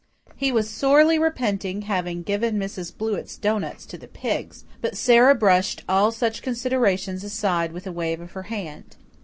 He was sorely repenting having given Mrs. Blewett's doughnuts to the pigs, but Sara brushed all such considerations aside with a wave of her hand.